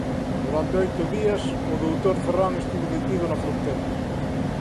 Durante oito días o doutor Ferrán estivo detido na fronteira.